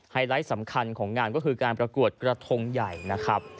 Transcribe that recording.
ไลท์สำคัญของงานก็คือการประกวดกระทงใหญ่นะครับ